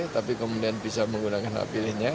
tapi kemudian bisa menggunakan apelnya